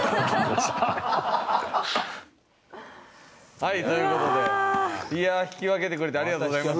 はいという事でいやあ引き分けてくれてありがとうございます。